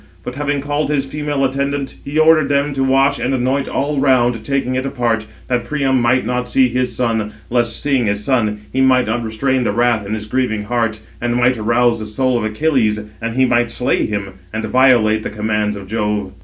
But having called his female attendants, he ordered them to wash and anoint all round, taking it apart, that Priam might not see his son; lest, seeing his son, he might not restrain the wrath in his grieving heart, and might arouse the soul of Achilles, and he might slay him, and violate the commands of Jove.